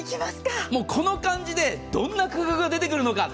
この感じでどんな工夫が出てくるのか。